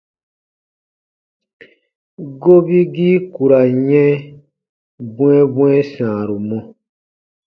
Gobigii ku ra n yɛ̃ bwɛ̃ɛbwɛ̃ɛ sãaru mɔ.